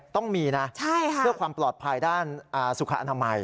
ต้องมีนะเพื่อความปลอดภัยด้านสุขอนามัย